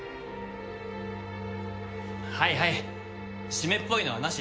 はいはい湿っぽいのはなし。